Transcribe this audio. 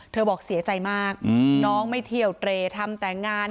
บอกเสียใจมากน้องไม่เที่ยวเตรทำแต่งาน